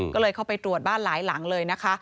ก็เลยเข้าไปตรวจบ้านหลายหลังเลยนะคะ